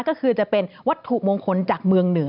ก็คือจะเป็นวัตถุมงคลจาก